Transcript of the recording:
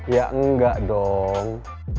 ya enggak dong